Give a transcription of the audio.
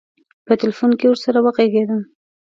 په تیلفون کې ورسره وږغېدم.